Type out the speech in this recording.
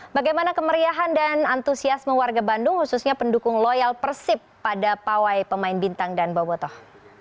bagaimana kemeriahan dan antusiasme warga bandung khususnya pendukung loyal persib pada pawai pemain bintang dan bobotoh